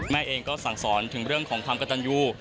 แม่เองก็สั่งสอนถึงเรื่องของความกระตันยู